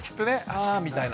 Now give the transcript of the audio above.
あみたいな。